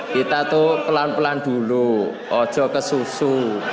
kita tuh pelan pelan dulu ojo ke susu